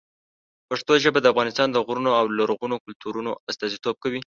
پښتو ژبه د افغانستان د غرونو او لرغونو کلتورونو استازیتوب کوي.